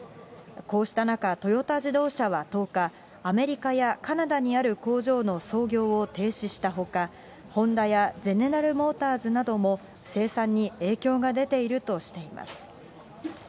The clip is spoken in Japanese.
こうした中、トヨタ自動車は１０日、アメリカやカナダにある工場の操業を停止したほか、ホンダやゼネラル・モーターズなども生産に影響が出ているとしています。